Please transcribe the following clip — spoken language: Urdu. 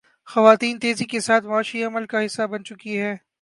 خواتین تیزی کے ساتھ معاشی عمل کا حصہ بن چکی ہیں۔